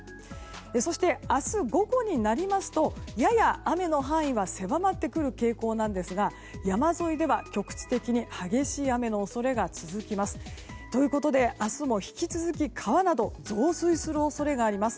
そして、明日午後になりますとやや雨の範囲は狭まってくる傾向なんですが山沿いでは、局地的に激しい雨の恐れが続きます。ということで明日も引き続き川など増水する恐れがあります。